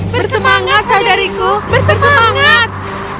bersemangat saudariku bersemangat